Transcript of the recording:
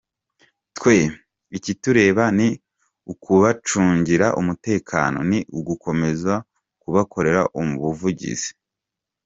Twe ikitureba ni ukubacungira umutekano, ni ugukomeza kubakorera ubuvugizi.